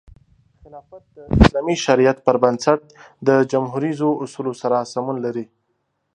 خلافت د اسلامي شریعت پر بنسټ د جموهریزو اصولو سره سمون لري.